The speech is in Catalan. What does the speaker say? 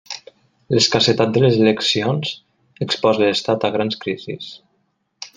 L'escassetat de les eleccions exposa l'Estat a grans crisis.